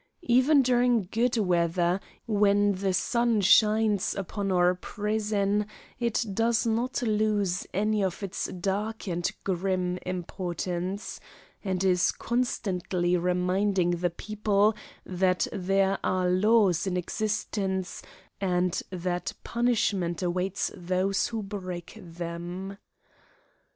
Even during good weather, when the sun shines upon our prison, it does not lose any of its dark and grim importance, and is constantly reminding the people that there are laws in existence and that punishment awaits those who break them.